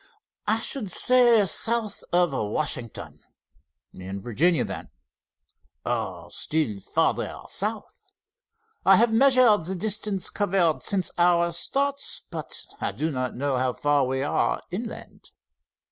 "I should say, south of Washington." "In Virginia, then?" "Or still farther south. I have measured the distance covered since our start, but I do not know how far we are inland."